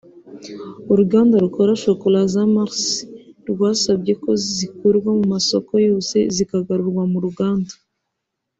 uruganda rukora shokola za Mars rwasabye ko zikurwa ku masoko yose zikagarurwa mu ruganda